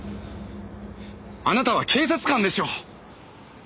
あなたは警察官でしょう！